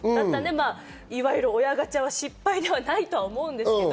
いわゆる親ガチャは、失敗ではないと思うんですけど。